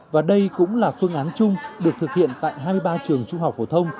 và đây cũng là phương án chung được thực hiện tại hai mươi ba trường trung học phổ thông